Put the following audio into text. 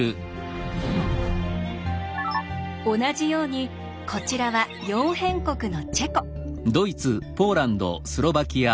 同じようにこちらは「四辺国」のチェコ。